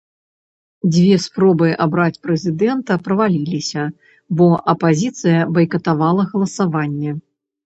Дзве спробы абраць прэзідэнта праваліліся, бо апазіцыя байкатавала галасаванне.